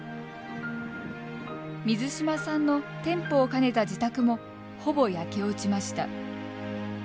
水島さんの店舗を兼ねた自宅もほぼ焼け落ちました。